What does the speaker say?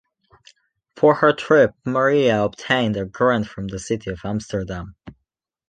For her trip, Maria obtained a grant from the city of Amsterdam.